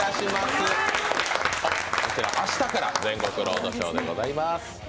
こちら、明日から全国ロードショーでございます。